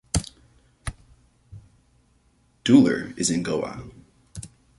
Duler is in Goa.